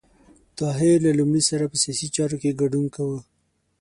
طاهر له لومړي سره په سیاسي چارو کې ګډون کاوه.